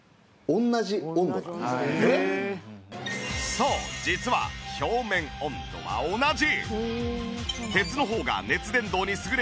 そう実は表面温度は同じ！